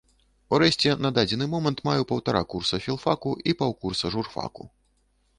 Урэшце на дадзены момант маю паўтара курса філфаку і паўкурса журфаку.